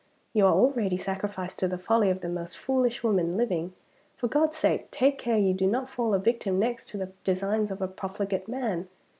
You are already sacrificed to the folly of the most foolish woman living. For God's sake, take care you do not fall a victim next to the designs of a profligate man.